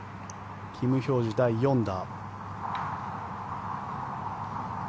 キム・ヒョージュ第４打。